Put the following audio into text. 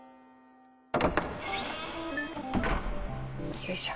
よいしょ。